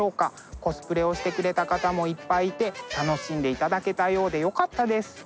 コスプレをしてくれた方もいっぱいいて楽しんでいただけたようでよかったです。